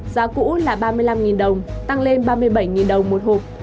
giá cũ là ba mươi năm đồng tăng lên ba mươi bảy đồng một hộp